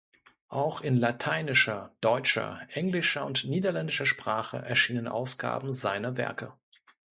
Auch in lateinischer, deutscher, englischer und niederländischer Sprache erschienen Ausgaben seiner Werke.